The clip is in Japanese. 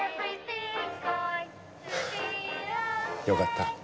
よかった。